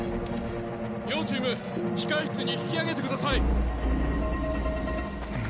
両チーム控え室に引き揚げてください。